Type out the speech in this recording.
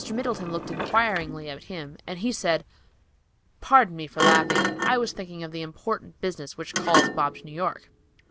Middleton looked inquiringly at him and he said, "Pardon me for laughing; I was thinking of the important business which calls Bob to New York."